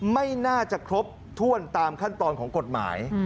ไม่น่าจะครบถ้วนตามขั้นตอนของกฎหมาย